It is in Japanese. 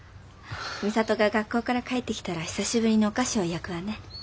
美里が学校から帰ってきたら久しぶりにお菓子を焼くわね。